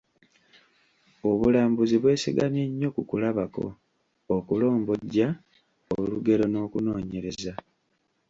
Obulambuzi bwesigamye nnyo ku kulabako, okulombojja olugero n’okunoonyereza.